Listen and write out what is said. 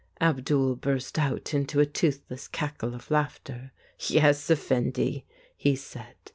Abdul burst out into a toothless cackle of laughter. "Yes, effendi," he said.